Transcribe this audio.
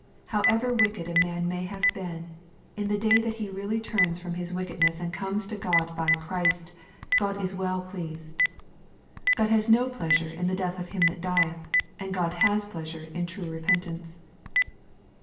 However wicked a man may have been, in the day that he really turns from his wickedness and comes to God by Christ, God is well pleased. ; God has no pleasure in the death of him that dieth, and God has pleasure in true repentance.